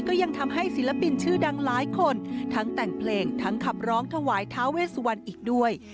ก็ยังทำให้ศิลปินชื่อดังหลายคนทั้งแต่งเพลงทั้งขับร้องถวายท้าเวสวันอีกด้วย